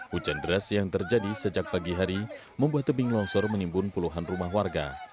hujan deras yang terjadi sejak pagi hari membuat tebing longsor menimbun puluhan rumah warga